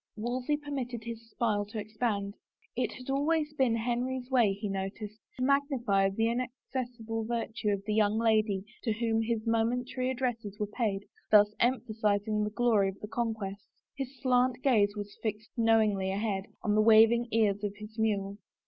Wolsey permitted his smile to expand. It had always been Henry's way, he noticed, to magnify the inacces sible virtue of the young lady to whom his momentary addresses were paid, thus emphasizing the glory of the conquest. His slant gaze was fixed knowingly ahead, on the waving ears of his mule.